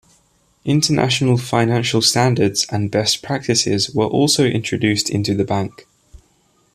International financial standards and best practices were also introduced into the bank.